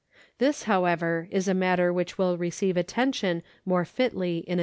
This, however, is a matter which will receive attention more fitly in another place